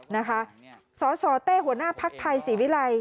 นะคะสสเต้หัวหน้าภาคไทยศิวิไลย์